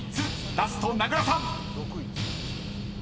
ラスト名倉さん］